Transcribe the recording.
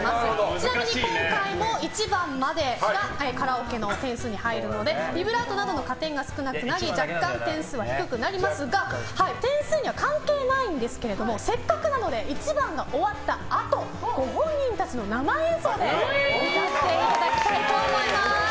ちなみに今回も１番までがカラオケの点数に入るのでビブラートなどの加点が少なくなり若干点数は低くなりますが点数には関係ないんですがせっかくなので１番が終わったあとご本人たちの生演奏でそれはうれしい！